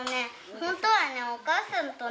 本当はね